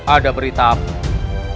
ada berita apa